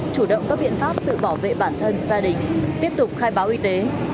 chủ động các biện pháp tự bảo vệ bản thân gia đình tiếp tục khai báo y tế